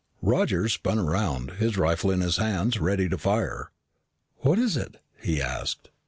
Roger spun around, his rifle in his hands, ready to fire. "What is it?" he asked.